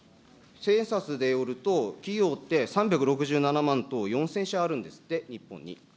センサスでよると、企業って３６７万４０００社あるんですって、日本に。